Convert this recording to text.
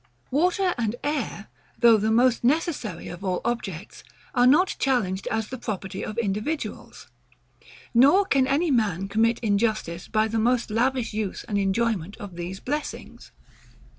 Water and air, though the most necessary of all objects, are not challenged as the property of individuals; nor can any man commit injustice by the most lavish use and enjoyment of these blessings.